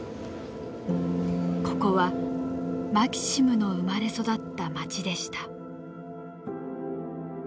ここはマキシムの生まれ育った町でした。